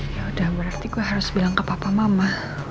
yaudah berarti gue harus bilang ke papa mama